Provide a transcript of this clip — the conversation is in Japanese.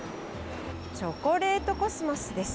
チョコレートコスモスです。